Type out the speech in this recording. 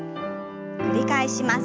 繰り返します。